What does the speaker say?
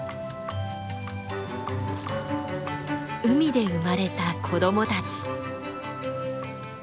海で生まれた子どもたち。